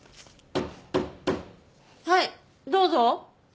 ・はいどうぞ。